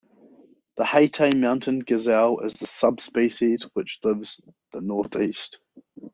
The Hatay mountain gazelle is the subspecies which lives the northeast.